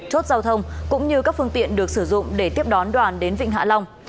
chốt giao thông cũng như các phương tiện được sử dụng để tiếp đón đoàn đến vịnh hạ long